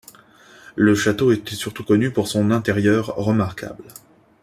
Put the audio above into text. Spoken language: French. Le château était surtout connu pour son intérieur remarquable.